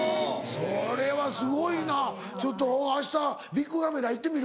それはすごいなちょっとあしたビックカメラ行ってみるわ。